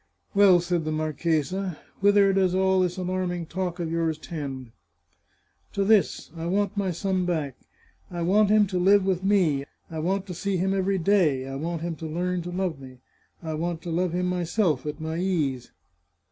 " Well," said the marchesa, " whither does all this alarm ing talk of yours tend ?" 530 The Chartreuse of Parma " To this : I want my son back. I want him to live with me. I want to see him every day. I want him to learn to love me. I want to love him myself, at my ease.